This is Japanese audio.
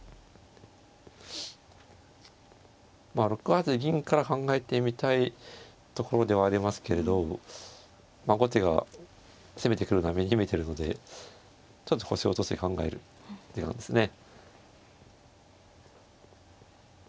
６八銀から考えてみたいところではありますけれど後手が攻めてくるのは目に見えてるのでちょっと腰を落として考える時間ですね。